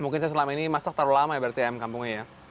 mungkin saya selama ini masak terlalu lama ya berarti ayam kampungnya ya